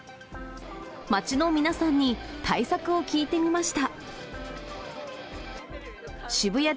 街の皆さんに、対策を聞いてみました。